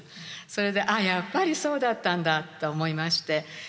それで「あっやっぱりそうだったんだ」と思いまして。